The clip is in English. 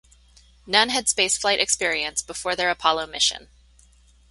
None had spaceflight experience before their Apollo mission.